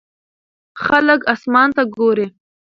خلک اسمان ته ګوري.